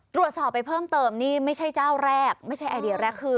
ตรวจสอบไปเพิ่มเติมนี่ไม่ใช่เจ้าแรกไม่ใช่ไอเดียแรกคือ